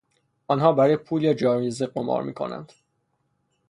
آنها برای پول یا جایزه قمار میکنند.